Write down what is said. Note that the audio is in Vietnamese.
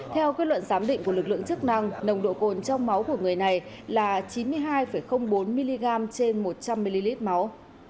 theo quyết luận giám định của lực lượng chức năng nồng độ cồn trong máu của người này là chín mươi hai bốn mg trên một trăm linh ml máu